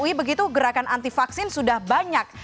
jadi begitu gerakan anti vaksin sudah banyak